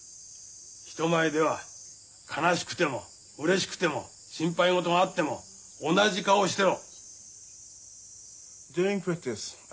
人前では悲しくてもうれしくても心配事があっても同じ顔してろ。